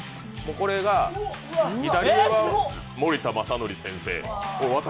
これが、左上は森田まさのり先生